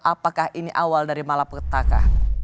apakah ini awal dari malapetaka